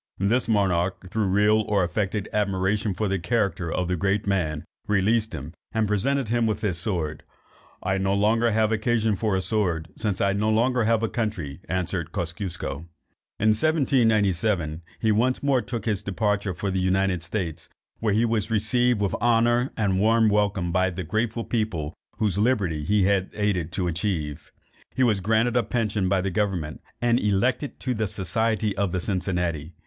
This monarch, through real or affected admiration for the character of the great man, released him, and presented him with his sword: "I have no longer occasion for a sword, since I have no longer a country," answered Kosciusko. In 1797 he once more took his departure for the United States, where he was received with honour and warm welcome by the grateful people whose liberty he had aided to achieve. He was granted a pension by the government, and elected to the society of the Cincinnati.